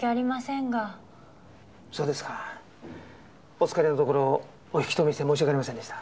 お疲れのところお引き止めして申し訳ありませんでした。